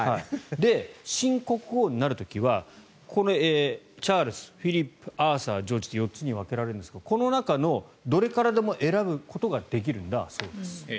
新国王になる時はチャールズ、フィリップアーサー、ジョージと４つに分けられるんですがこの中のどれでも選ぶことができるんだそうです。